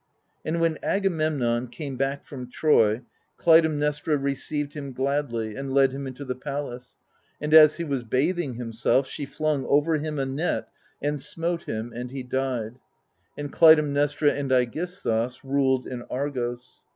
And when Agamemnon came back from Troy Clytemnestra received him gladly, and led him into the palace : and as he was bathing himself, she flung over him a net, and smote him, and he died : and Clytemnestra and iSgisthus ruled in Argos.